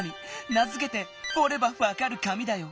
名づけて「おればわかる紙」だよ。